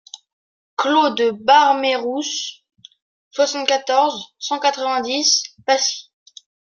Clos de Barmerousse, soixante-quatorze, cent quatre-vingt-dix Passy